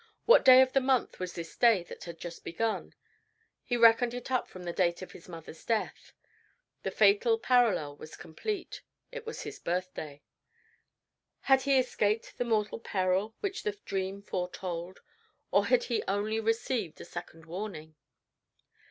What day of the month was this day that had just begun? He reckoned it up from the date of his mother's funeral. The fatal parallel was complete: it was his birthday! Had he escaped the mortal peril which his dream foretold? or had he only received a second warning?